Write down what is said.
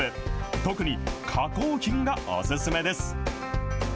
特に、加工品がお勧めです。